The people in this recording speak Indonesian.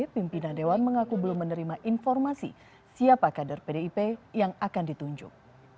pimpinan dewan mengaku belum menerima informasi siapa kader pdip yang akan ditunjuk